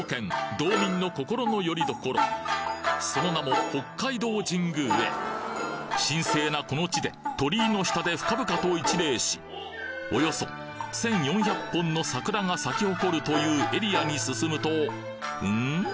道民の心の拠り所その名も北海道神宮へ神聖なこの地で鳥居の下で深々と一礼しおよそ１４００本の桜が咲き誇るというエリアに進むとん？